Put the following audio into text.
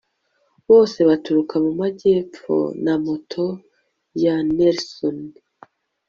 Bose baturuka mu majyepfo namato ya Nelson